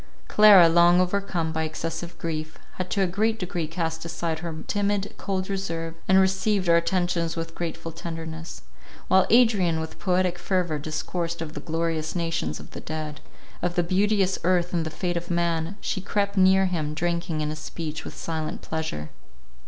Clara, long overcome by excessive grief, had to a great degree cast aside her timid, cold reserve, and received our attentions with grateful tenderness. While Adrian with poetic fervour discoursed of the glorious nations of the dead, of the beauteous earth and the fate of man, she crept near him, drinking in his speech with silent pleasure.